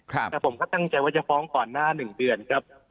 แต่ผมก็ตั้งใจว่าจะฟ้องก่อนหน้า๑เดือนครับ